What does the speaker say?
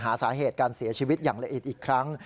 หาสาเหตุการเสียชีวิตอย่างละเอียดอีกครั้ง